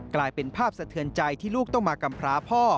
กลายเป็นภาพสะเทือนใจที่ลูกต้องมากำพร้าพ่อ